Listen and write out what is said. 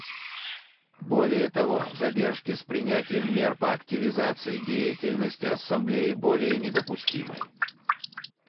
Более того, задержки с принятием мер по активизации деятельности Ассамблеи более недопустимы.